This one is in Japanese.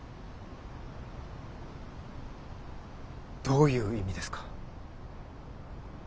どういう意味ですか。